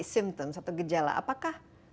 symptoms atau gejala apakah